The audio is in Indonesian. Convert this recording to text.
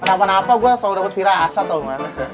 kenapa napa gue selalu dapet virasa tom